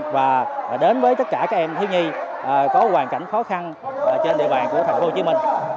và đến với tất cả các em thiếu nhi có hoàn cảnh khó khăn trên địa bàn của tp hcm